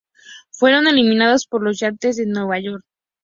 Fueron eliminados por los Yankees de Nueva York.